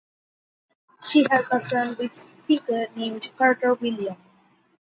She has a son with Thicke named Carter William.